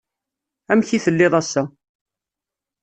Amek i telliḍ ass-a?